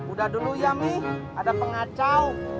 udah dulu ya mi ada pengacau